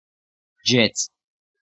ჯეწ